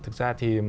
thực ra thì